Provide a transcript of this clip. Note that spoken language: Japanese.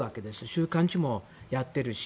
週刊誌もやっているし。